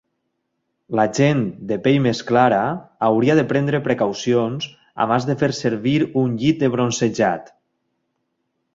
La gent de pell més clara hauria de prendre precaucions abans de fer servir un llit de bronzejat.